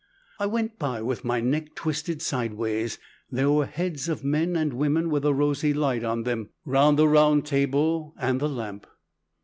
"I went by with my neck twisted sideways. There were heads of men and women with a rosy light on them, round the round table and the lamp.